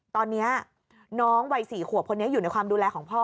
ตอนนี้น้องวัย๔ขวบคนนี้อยู่ในความดูแลของพ่อ